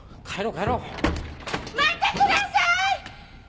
待ってくださーい！